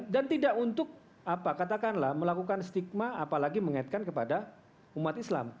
dan tidak untuk apa katakanlah melakukan stigma apalagi mengaitkan kepada umat islam